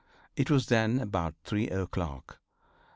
It was then about 3 o'clock.